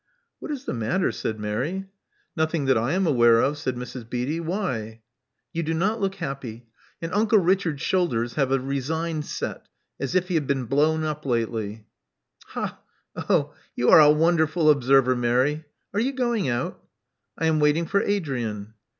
What is the matter?" said Mary. Nothing that I am aware of," said Mrs. Beatty. Why?" You do not look happy. And Uncle Richard's shoulders have a resigned set, as if he had been blown up lately." '*Ha! Oh! You are a wonderful observer, Mary. Are you going out?" '4 am waiting for Adrian."